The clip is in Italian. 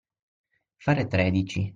Fare tredici.